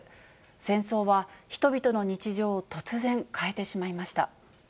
戦争は人々の日常を突然、変えてしまいました。